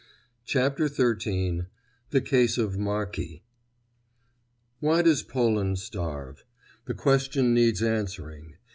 CHAPTER XIII—THE CASE OF MARKI Why does Poland starve? The question needs answering.